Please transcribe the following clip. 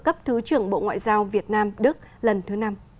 cấp thứ trưởng bộ ngoại giao việt nam đức lần thứ năm